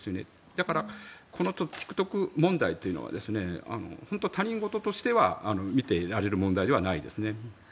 だから、このＴｉｋＴｏｋ問題というのは本当に他人事としては見ていられる問題ではないです。